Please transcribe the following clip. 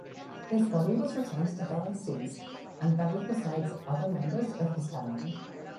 His body was returned to Valenciennes and buried beside other members of his family.